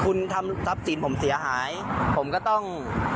คุณทำทรัพย์สินผมเสียหายผมก็ต้อง